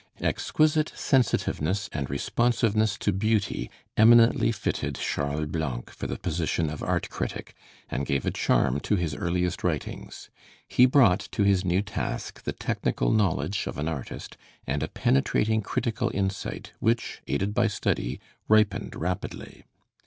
Exquisite sensitiveness and responsiveness to beauty eminently fitted Charles Blanc for the position of art critic, and gave a charm to his earliest writings. He brought to his new task the technical knowledge of an artist, and a penetrating critical insight which, aided by study, ripened rapidly.